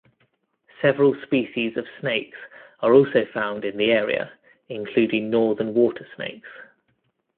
Several species of snakes are also found in the area, including Northern Water Snakes.